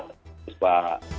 terima kasih pak